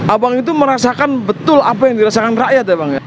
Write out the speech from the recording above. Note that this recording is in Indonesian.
abang itu merasakan betul apa yang dirasakan rakyat ya bang